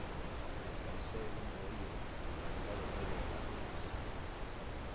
descansé en un bohío levantado en medio de las ruinas